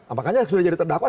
apakannya sudah jadi terdakwa